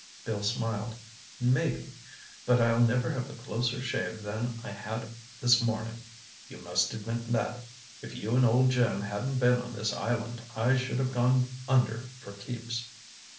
Bill smiled. "Maybe. But I'll never have a closer shave than I had this morning. You must admit that. If you and old Jim hadn't been on this island, I should have gone under for keeps."